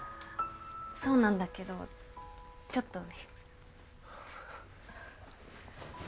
そうなんだけどちょっとね。